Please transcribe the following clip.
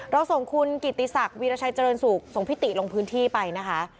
เราส่งคุณกิติศักดิราชัยเจริญสุขส่งพิติลงพื้นที่ไปนะคะ